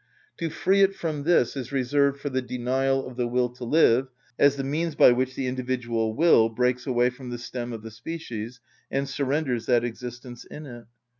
To free it from this is reserved for the denial of the will to live, as the means by which the individual will breaks away from the stem of the species, and surrenders that existence in it.